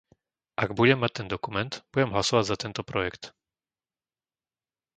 Ak budem mať ten dokument, budem hlasovať za tento projekt.